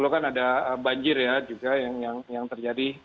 dua ribu sepuluh kan ada banjir ya juga yang terjadi